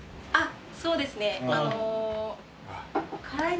そうですね。